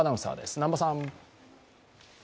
南波さん。